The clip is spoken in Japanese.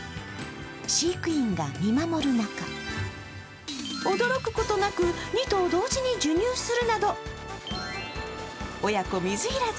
飼育員が見守る中、驚くことなく、２頭同時に授乳するなど親子水入らず。